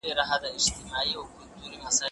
هغوی په نوې طرحه بحث کوي.